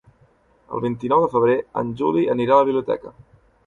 El vint-i-nou de febrer en Juli anirà a la biblioteca.